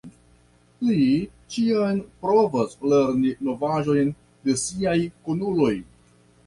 Li ĉiam provas lerni novaĵojn de siaj kunuloj.